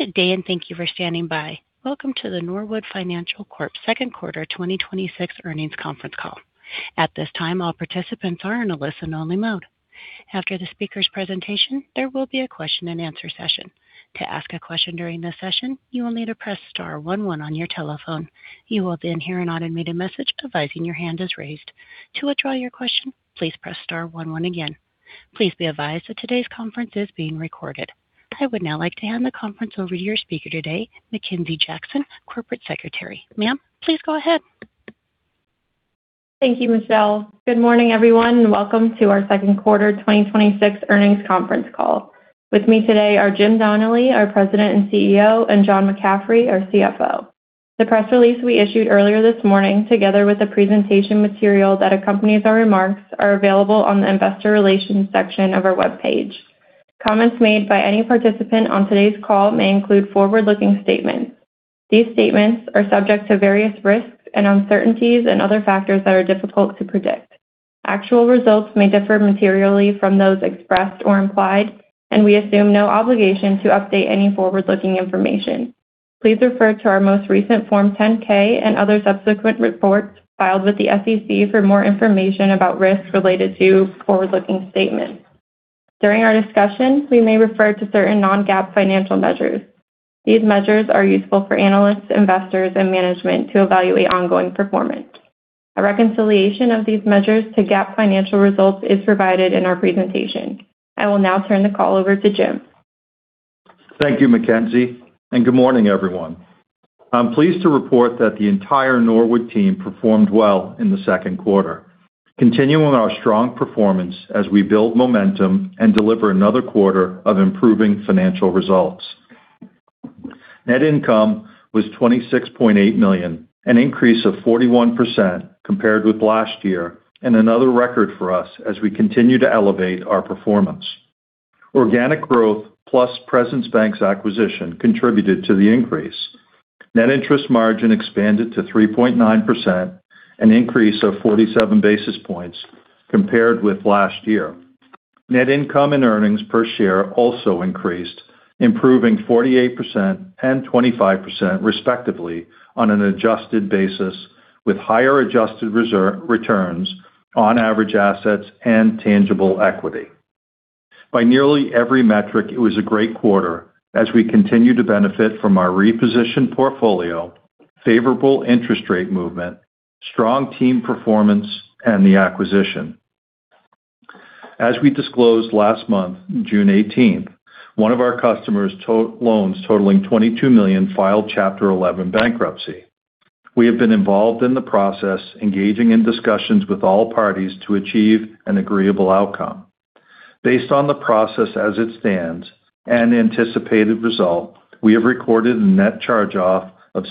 Good day, and thank you for standing by. Welcome to the Norwood Financial Corp Second Quarter 2026 Earnings Conference Call. At this time, all participants are in a listen-only mode. After the speaker's presentation, there will be a question and answer session. To ask a question during this session, you will need to press star one one on your telephone. You will then hear an automated message advising your hand is raised. To withdraw your question, please press star one one again. Please be advised that today's conference is being recorded. I would now like to hand the conference over to your speaker today, Mackenzie Jackson, Corporate Secretary. Ma'am, please go ahead. Thank you, Michelle. Good morning, everyone, and welcome to our second quarter 2026 earnings conference call. With me today are James Donnelly, our President and CEO, and John McCaffery, our CFO. The press release we issued earlier this morning, together with the presentation material that accompanies our remarks, are available on the investor relations section of our webpage. Comments made by any participant on today's call may include forward-looking statements. These statements are subject to various risks and uncertainties and other factors that are difficult to predict. Actual results may differ materially from those expressed or implied, and we assume no obligation to update any forward-looking information. Please refer to our most recent Form 10-K and other subsequent reports filed with the SEC for more information about risks related to forward-looking statements. During our discussion, we may refer to certain non-GAAP financial measures. These measures are useful for analysts, investors, and management to evaluate ongoing performance. A reconciliation of these measures to GAAP financial results is provided in our presentation. I will now turn the call over to James. Thank you, Mackenzie, and good morning, everyone. I'm pleased to report that the entire Norwood team performed well in the second quarter, continuing our strong performance as we build momentum and deliver another quarter of improving financial results. Net income was $26.8 million, an increase of 41% compared with last year and another record for us as we continue to elevate our performance. Organic growth plus Presence Bank's acquisition contributed to the increase. Net interest margin expanded to 3.9%, an increase of 47 basis points compared with last year. Net income and earnings per share also increased, improving 48% and 25% respectively on an adjusted basis with higher adjusted returns on average assets and tangible equity. By nearly every metric, it was a great quarter as we continue to benefit from our repositioned portfolio, favorable interest rate movement, strong team performance, and the acquisition. As we disclosed last month, June 18th, one of our customer's loans totaling $22 million filed Chapter 11 bankruptcy. We have been involved in the process, engaging in discussions with all parties to achieve an agreeable outcome. Based on the process as it stands and the anticipated result, we have recorded a net charge-off of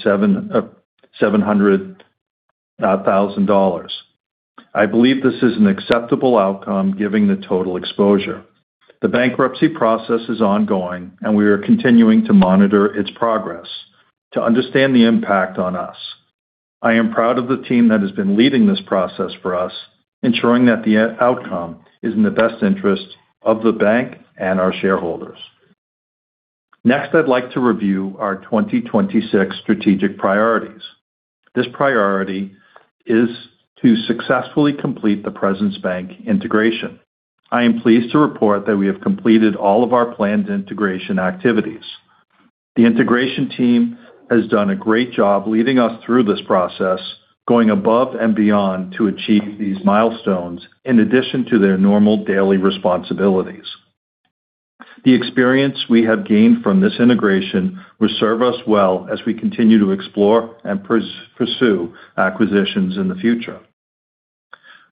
$700,000. I believe this is an acceptable outcome given the total exposure. The bankruptcy process is ongoing, and we are continuing to monitor its progress to understand the impact on us. I am proud of the team that has been leading this process for us, ensuring that the outcome is in the best interest of the bank and our shareholders. Next, I'd like to review our 2026 strategic priorities. This priority is to successfully complete the Presence Bank integration. I am pleased to report that we have completed all of our planned integration activities. The integration team has done a great job leading us through this process, going above and beyond to achieve these milestones in addition to their normal daily responsibilities. The experience we have gained from this integration will serve us well as we continue to explore and pursue acquisitions in the future.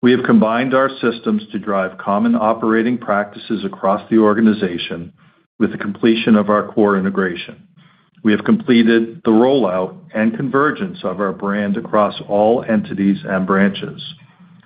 We have combined our systems to drive common operating practices across the organization with the completion of our core integration. We have completed the rollout and convergence of our brand across all entities and branches.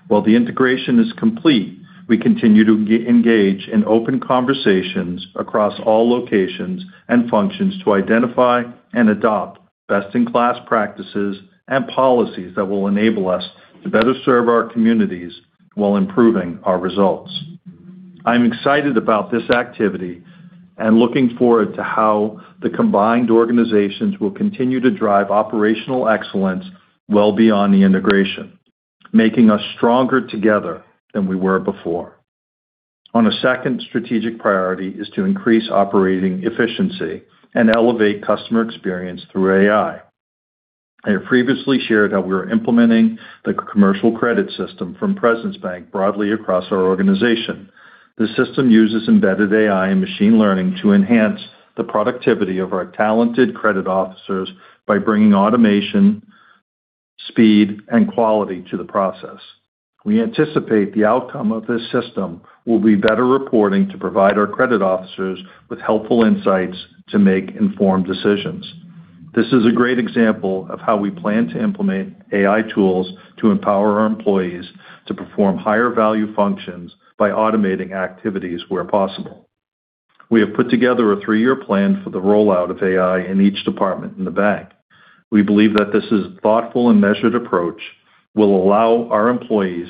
While the integration is complete, we continue to engage in open conversations across all locations and functions to identify and adopt best-in-class practices and policies that will enable us to better serve our communities while improving our results. I'm excited about this activity and looking forward to how the combined organizations will continue to drive operational excellence well beyond the integration, making us stronger together than we were before. On a second strategic priority is to increase operating efficiency and elevate customer experience through AI. I have previously shared how we are implementing the commercial credit system from Presence Bank broadly across our organization. This system uses embedded AI and machine learning to enhance the productivity of our talented credit officers by bringing automation, speed, and quality to the process. We anticipate the outcome of this system will be better reporting to provide our credit officers with helpful insights to make informed decisions. This is a great example of how we plan to implement AI tools to empower our employees to perform higher-value functions by automating activities where possible. We have put together a three-year plan for the rollout of AI in each department in the bank. We believe that this thoughtful and measured approach will allow our employees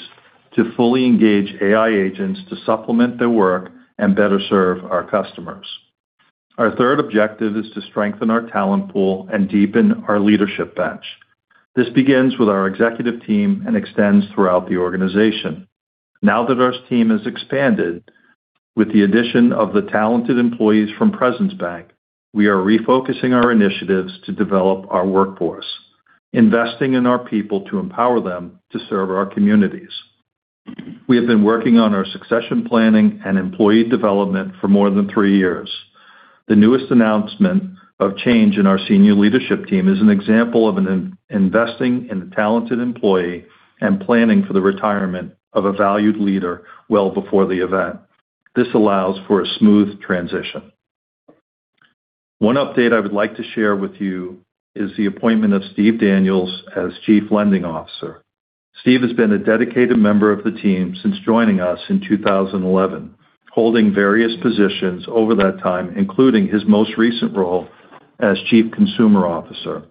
to fully engage AI agents to supplement their work and better serve our customers. Our third objective is to strengthen our talent pool and deepen our leadership bench. This begins with our executive team and extends throughout the organization. Now that our team has expanded with the addition of the talented employees from Presence Bank, we are refocusing our initiatives to develop our workforce, investing in our people to empower them to serve our communities. We have been working on our succession planning and employee development for more than three years. The newest announcement of change in our senior leadership team is an example of investing in a talented employee and planning for the retirement of a valued leader well before the event. This allows for a smooth transition. One update I would like to share with you is the appointment of Steve Daniels as Chief Lending Officer. Steve has been a dedicated member of the team since joining us in 2011, holding various positions over that time, including his most recent role as Chief Consumer Officer.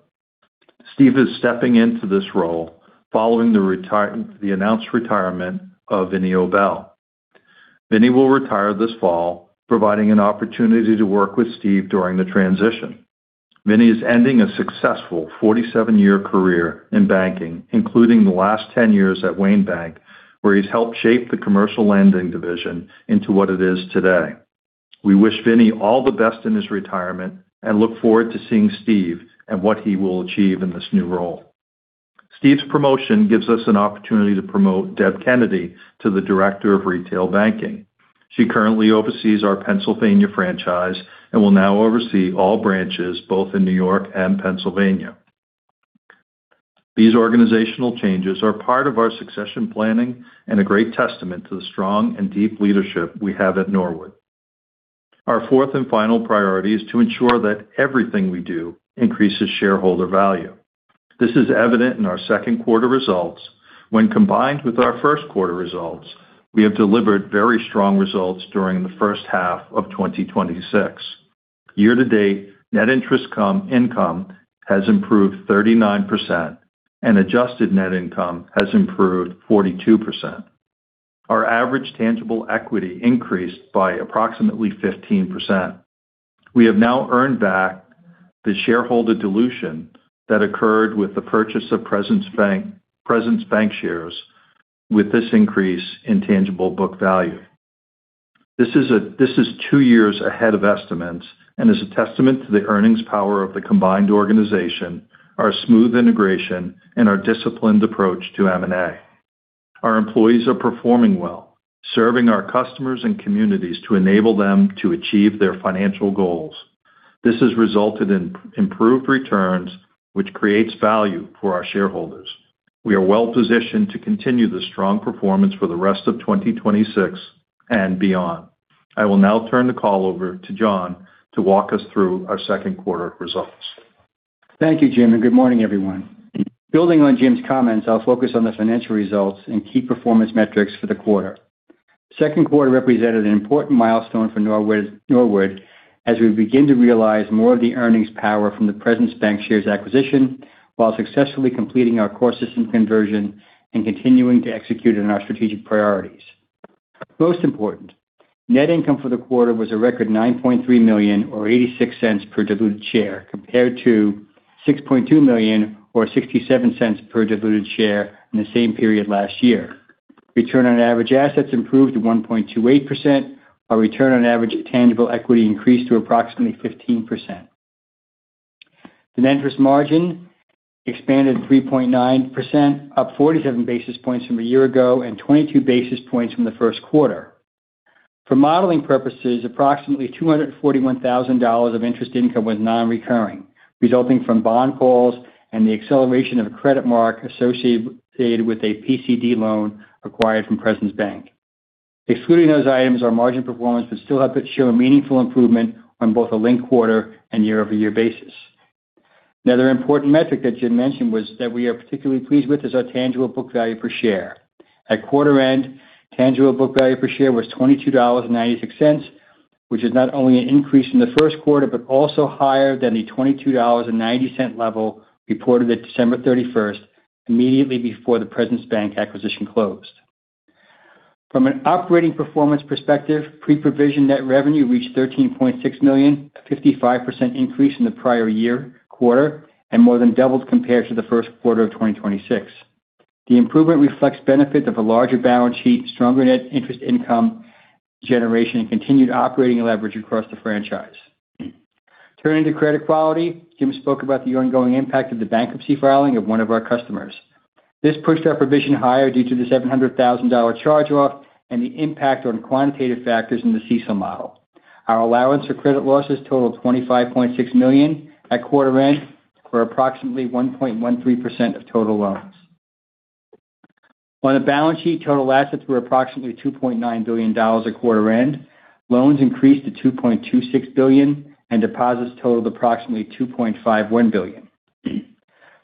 Steve is stepping into this role following the announced retirement of Vinny O'Bell. Vinnie will retire this fall, providing an opportunity to work with Steve during the transition. Vinnie is ending a successful 47-year career in banking, including the last 10 years at Wayne Bank, where he's helped shape the commercial lending division into what it is today. We wish Vinnie all the best in his retirement and look forward to seeing Steve and what he will achieve in this new role. Steve's promotion gives us an opportunity to promote Deb Kennedy to the Director of Retail Banking. She currently oversees our Pennsylvania franchise and will now oversee all branches both in New York and Pennsylvania. These organizational changes are part of our succession planning and a great testament to the strong and deep leadership we have at Norwood. Our fourth and final priority is to ensure that everything we do increases shareholder value. This is evident in our second quarter results. When combined with our first-quarter results, we have delivered very strong results during the first half of 2026. Year-to-date, net interest income has improved 39% and adjusted net income has improved 42%. Our average tangible equity increased by approximately 15%. We have now earned back the shareholder dilution that occurred with the purchase of Presence Bank shares with this increase in tangible book value. This is two years ahead of estimates and is a testament to the earnings power of the combined organization, our smooth integration, and our disciplined approach to M&A. Our employees are performing well, serving our customers and communities to enable them to achieve their financial goals. This has resulted in improved returns, which creates value for our shareholders. We are well-positioned to continue the strong performance for the rest of 2026 and beyond. I will now turn the call over to John to walk us through our second quarter results. Thank you, James, and good morning, everyone. Building on James' comments, I'll focus on the financial results and key performance metrics for the quarter. Second quarter represented an important milestone for Norwood as we begin to realize more of the earnings power from the Presence Bank shares acquisition while successfully completing our core system conversion and continuing to execute on our strategic priorities. Most important, net income for the quarter was a record $9.3 million or $0.86 per diluted share compared to $6.2 million or $0.67 per diluted share in the same period last year. Return on average assets improved to 1.28%. Our return on average tangible equity increased to approximately 15%. The net interest margin expanded 3.9%, up 47 basis points from a year ago and 22 basis points from the first quarter. For modeling purposes, approximately $241,000 of interest income was non-recurring, resulting from bond calls and the acceleration of a credit mark associated with a PCD loan acquired from Presence Bank. Excluding those items, our margin performance would still show a meaningful improvement on both a linked quarter and year-over-year basis. Another important metric that James mentioned that we are particularly pleased with is our tangible book value per share. At quarter end, tangible book value per share was $22.96, which is not only an increase from the first quarter, but also higher than the $22.90 level reported at December 31st, immediately before the Presence Bank acquisition closed. From an operating performance perspective, pre-provision net revenue reached $13.6 million, a 55% increase from the prior year quarter and more than doubled compared to the first quarter of 2026. The improvement reflects benefits of a larger balance sheet, stronger net interest income generation, and continued operating leverage across the franchise. Turning to credit quality, James spoke about the ongoing impact of the bankruptcy filing of one of our customers. This pushed our provision higher due to the $700,000 charge-off and the impact on quantitative factors in the CECL model. Our allowance for credit losses totaled $25.6 million at quarter end for approximately 1.13% of total loans. On the balance sheet, total assets were approximately $2.9 billion at quarter end. Loans increased to $2.26 billion and deposits totaled approximately $2.51 billion.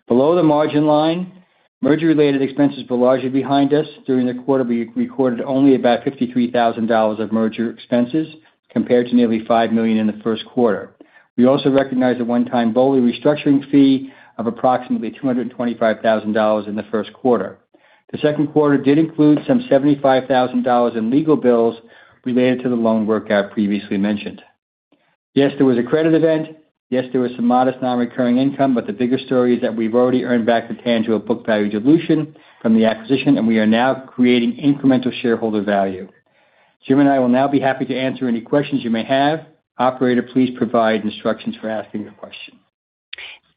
Below the margin line Merger-related expenses were largely behind us. During the quarter, we recorded only about $53,000 of merger expenses compared to nearly $5 million in the first quarter. We also recognized a one-time BOLI restructuring fee of approximately $225,000 in the first quarter. The second quarter did include some $75,000 in legal bills related to the loan workout previously mentioned. Yes, there was a credit event. Yes, there was some modest non-recurring income. The bigger story is that we've already earned back the tangible book value dilution from the acquisition, and we are now creating incremental shareholder value. James and I will now be happy to answer any questions you may have. Operator, please provide instructions for asking a question.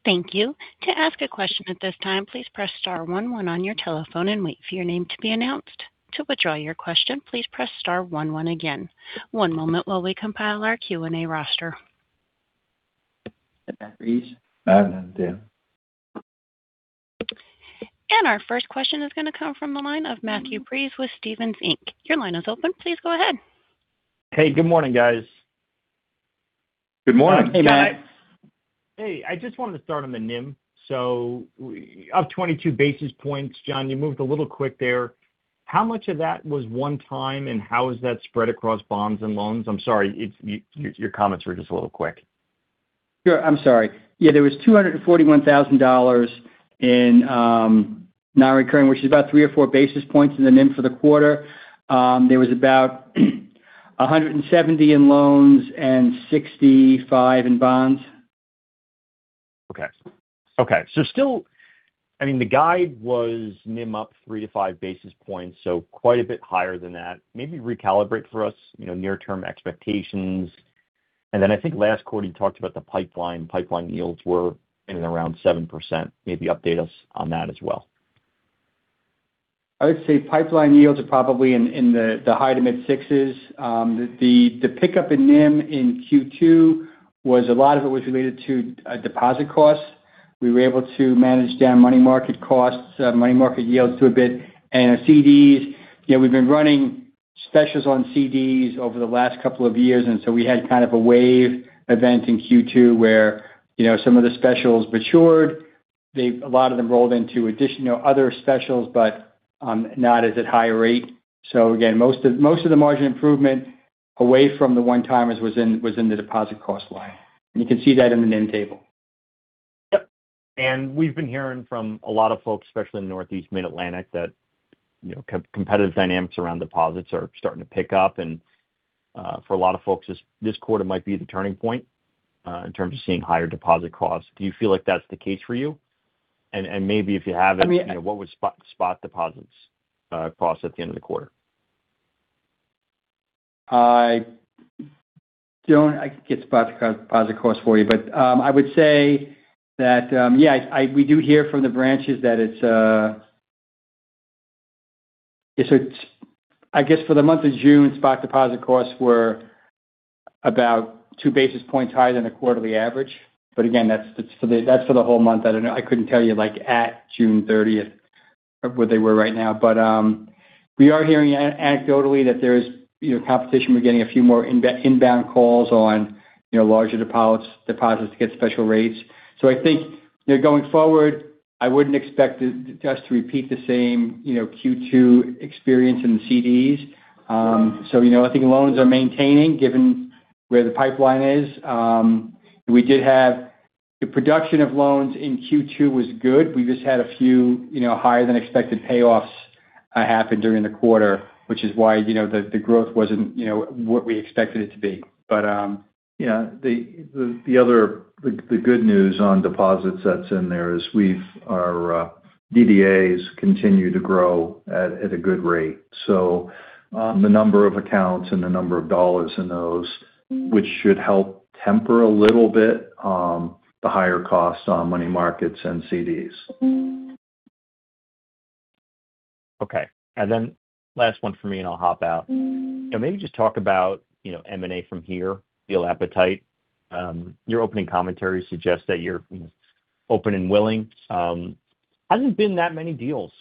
Thank you. To ask a question at this time, please press star one one on your telephone and wait for your name to be announced. To withdraw your question, please press star one one again. One moment while we compile our Q&A roster. Matthew Breese. I have Matthew. Our first question is going to come from the line of Matthew Breese with Stephens Inc. Your line is open. Please go ahead. Hey, good morning, guys. Good morning. Good morning. Hey, I just wanted to start on the NIM. Up 22 basis points, John, you moved a little quick there. How much of that was one time, and how is that spread across bonds and loans? I'm sorry, your comments were just a little quick. Sure. I'm sorry. There was $241,000 in non-recurring, which is about three or four basis points in the NIM for the quarter. There was about $170 in loans and $65 in bonds. Okay. Still, the guide was NIM up three to five basis points, quite a bit higher than that. Maybe recalibrate for us near-term expectations. Then I think last quarter you talked about the pipeline. Pipeline yields were in and around 7%. Maybe update us on that as well. I would say pipeline yields are probably in the high to mid sixes. The pickup in NIM in Q2, a lot of it was related to deposit costs. We were able to manage down money market costs, money market yields to a bit. CDs, we've been running specials on CDs over the last couple of years, we had kind of a wave event in Q2 where some of the specials matured. A lot of them rolled into other specials, but not as at high a rate. Again, most of the margin improvement away from the one-timers was in the deposit cost line. You can see that in the NIM table. Yep. We've been hearing from a lot of folks, especially in Northeast Mid-Atlantic, that competitive dynamics around deposits are starting to pick up. For a lot of folks, this quarter might be the turning point in terms of seeing higher deposit costs. Do you feel like that's the case for you? Maybe if you have it- I mean What was spot deposits cost at the end of the quarter? I don't get spot deposit cost for you. I would say that, yeah, we do hear from the branches that it's I guess for the month of June, spot deposit costs were about two basis points higher than the quarterly average. Again, that's for the whole month. I don't know. I couldn't tell you, like, at June 30th of what they were right now. We are hearing anecdotally that there's competition. We're getting a few more inbound calls on larger deposits to get special rates. I think going forward, I wouldn't expect us to repeat the same Q2 experience in the CDs. I think loans are maintaining given where the pipeline is. We did have the production of loans in Q2 was good. We just had a few higher-than-expected payoffs happen during the quarter, which is why the growth wasn't what we expected it to be. Yeah. The good news on deposits that's in there is our DDAs continue to grow at a good rate. The number of accounts and the number of dollars in those, which should help temper a little bit the higher costs on money markets and CDs. Okay. Last one for me, and I'll hop out. Maybe just talk about M&A from here, deal appetite. Your opening commentary suggests that you're open and willing. Hasn't been that many deals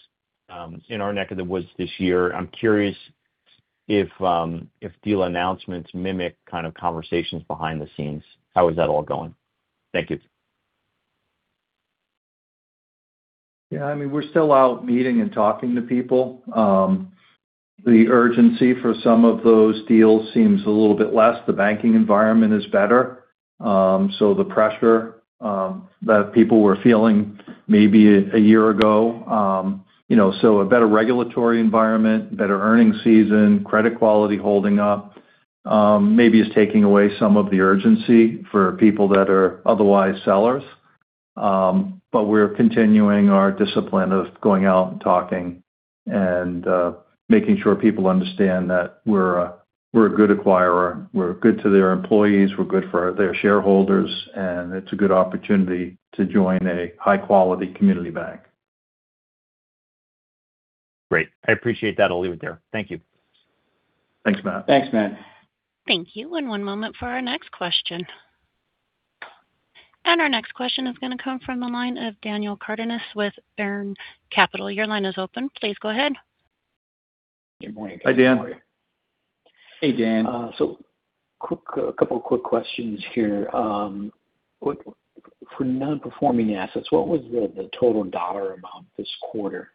in our neck of the woods this year. I'm curious if deal announcements mimic kind of conversations behind the scenes. How is that all going? Thank you. Yeah. I mean, we're still out meeting and talking to people. The urgency for some of those deals seems a little bit less. The banking environment is better. The pressure that people were feeling maybe a year ago. A better regulatory environment, better earning season, credit quality holding up maybe is taking away some of the urgency for people that are otherwise sellers. We're continuing our discipline of going out and talking and making sure people understand that we're a good acquirer. We're good to their employees, we're good for their shareholders, and it's a good opportunity to join a high-quality community bank. Great. I appreciate that. I'll leave it there. Thank you. Thanks, Matt. Thanks, Matt. Thank you. One moment for our next question. Our next question is going to come from the line of Daniel Cardenas with Brean Capital. Your line is open. Please go ahead. Good morning. Hi, Dan. Hey, Dan. A couple of quick questions here. For non-performing assets, what was the total dollar amount this quarter?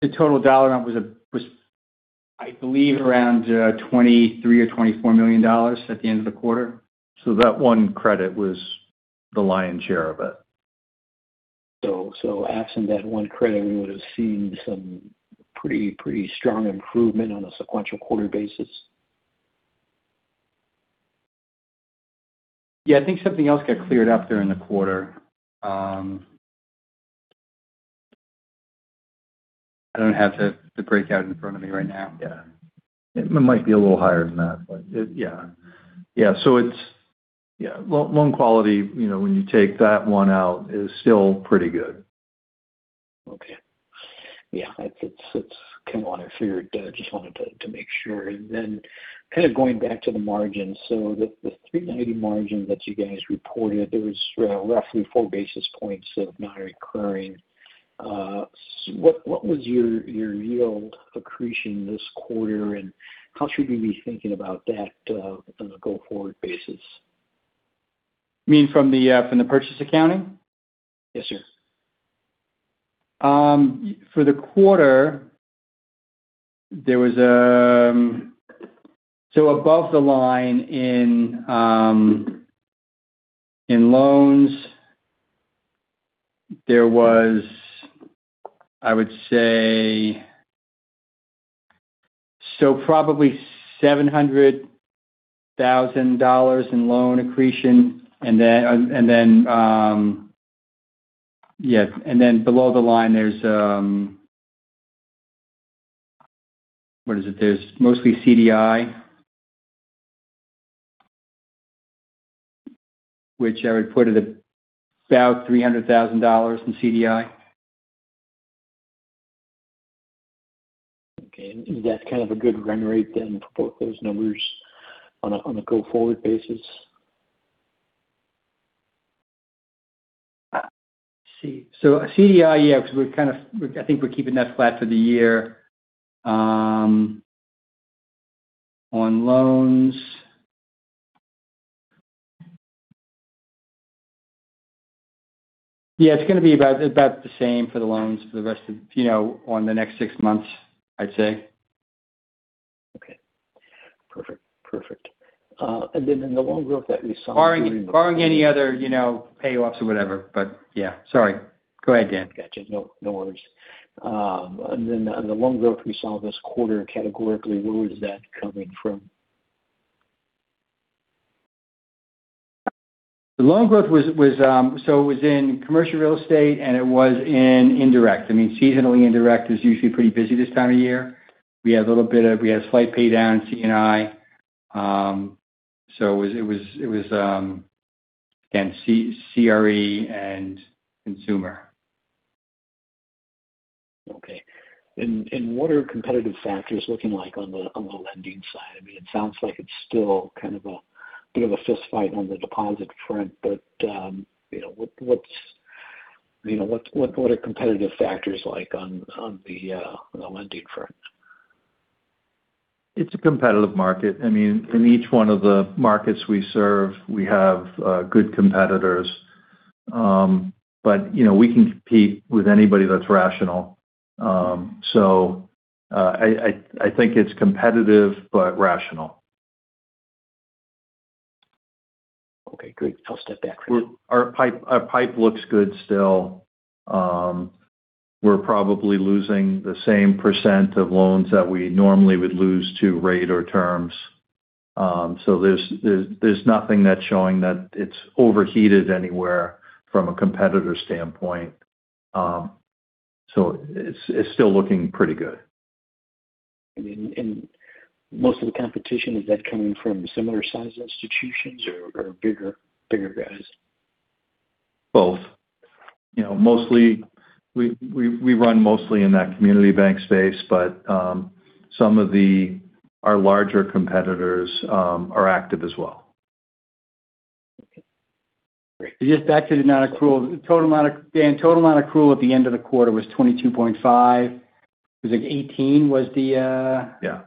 The total dollar amount was, I believe, around $23 or $24 million at the end of the quarter. That one credit was the lion's share of it. Absent that one credit, we would've seen some pretty strong improvement on a sequential quarter basis. Yeah, I think something else got cleared up during the quarter. I don't have the breakout in front of me right now. Yeah. It might be a little higher than that. Yeah. Loan quality, when you take that one out, is still pretty good. Okay. Yeah. It's come on, I figured. Just wanted to make sure. Kind of going back to the margins. The 390 margin that you guys reported, there was roughly four basis points of non-recurring. What was your yield accretion this quarter, and how should we be thinking about that on a go-forward basis? You mean from the purchase accounting? Yes, sir. For the quarter, above the line in loans, there was, I would say, probably $700,000 in loan accretion. Below the line, there's mostly CDI, which I would put it about $300,000 in CDI. Okay. Is that kind of a good run rate then for both those numbers on a go-forward basis? CDI, yeah, because I think we're keeping that flat for the year. On loans Yeah, it's going to be about the same for the loans on the next six months, I'd say. Okay, perfect. In the loan growth that we saw- Barring any other payoffs or whatever. Yeah. Sorry. Go ahead, Dan. Gotcha. No worries. The loan growth we saw this quarter, categorically, where was that coming from? The loan growth was in commercial real estate, and it was in indirect. Seasonally, indirect is usually pretty busy this time of year. We had a slight pay down in C&I. It was, again, CRE and consumer. Okay. What are competitive factors looking like on the lending side? It sounds like it's still kind of a bit of a fistfight on the deposit front, what are competitive factors like on the lending front? It's a competitive market. In each one of the markets we serve, we have good competitors. We can compete with anybody that's rational. I think it's competitive but rational. Okay, great. I'll step back. Our pipe looks good still. We're probably losing the same % of loans that we normally would lose to rate or terms. There's nothing that's showing that it's overheated anywhere from a competitor standpoint. It's still looking pretty good. Most of the competition, is that coming from similar size institutions or bigger guys? Both. We run mostly in that community bank space, but some of our larger competitors are active as well. Okay. Great. Just back to the total amount accrue, Dan. Total amount accrue at the end of the quarter was $22.5. Was it $18. Yeah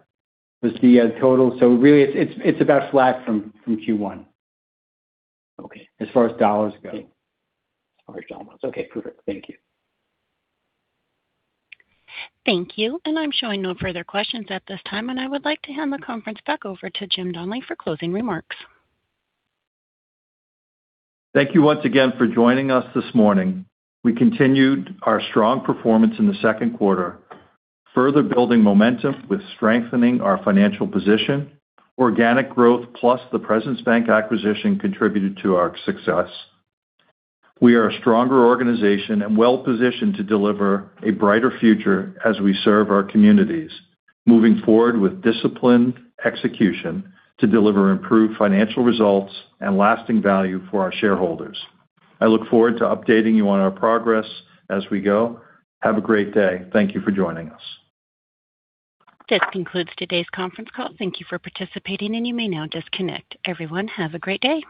Was the total. Really it's about flat from Q1. Okay. As far as dollars go. As far as dollars. Okay, perfect. Thank you. Thank you. I'm showing no further questions at this time, and I would like to hand the conference back over to James Donnelly for closing remarks. Thank you once again for joining us this morning. We continued our strong performance in the second quarter, further building momentum with strengthening our financial position. Organic growth plus the Presence Bank acquisition contributed to our success. We are a stronger organization and well-positioned to deliver a brighter future as we serve our communities, moving forward with disciplined execution to deliver improved financial results and lasting value for our shareholders. I look forward to updating you on our progress as we go. Have a great day. Thank you for joining us. This concludes today's conference call. Thank you for participating, and you may now disconnect. Everyone, have a great day.